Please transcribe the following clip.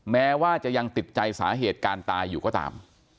แม้ว่าจะยังติดใจสาเหตุการตายอยู่ก็ตาม